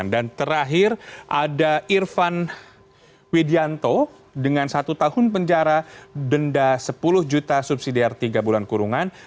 dan terakhir ada irvan widianto dengan satu tahun penjara denda sepuluh juta subsidiare tiga bulan kurungan